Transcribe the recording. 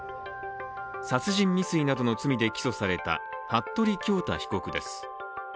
殺人未遂などの罪で起訴された服部恭太被告です。